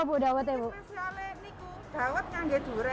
ini khususnya jawat yang ada di jualan